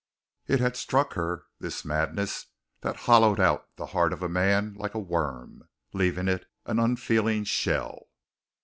It had struck her, this madness that hollowed out the heart of a man like a worm, leaving it an unfeeling shell.